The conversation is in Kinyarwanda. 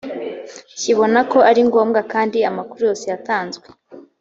kibona ko ari ngombwa kandi amakuru yose yatanzwe